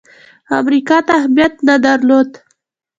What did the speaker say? امریکا ته اهمیت نه درلود.